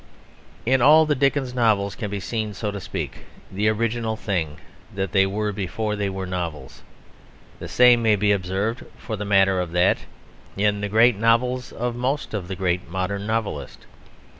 In all the Dickens novels can be seen, so to speak, the original thing that they were before they were novels. The same may be observed, for the matter of that, in the great novels of most of the great modern novelists.